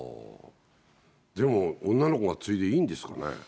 でも、女の子が継いでいいんですかね。